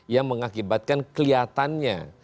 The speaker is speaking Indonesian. yang mengakibatkan kelihatannya